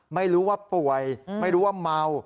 ไม่รู้ว่าป่วยไม่รู้ว่าเมา